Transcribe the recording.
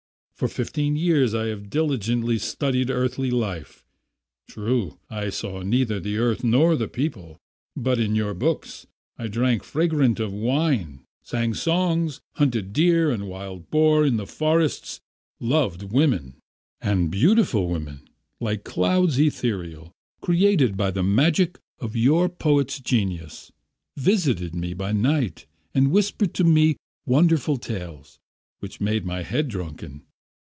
"For fifteen years I have diligently studied earthly life. True, I saw neither the earth nor the people, but in your books I drank fragrant wine, sang songs, hunted deer and wild boar in the forests, loved women... And beautiful women, like clouds ethereal, created by the magic of your poets' genius, visited me by night and whispered to me wonderful tales, which made my head drunken.